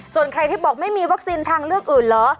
ส่วนใครที่บอกไม่มีวัคซีนทางเลือกอื่นเหรอ